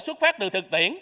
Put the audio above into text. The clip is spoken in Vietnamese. xuất phát từ thực tiễn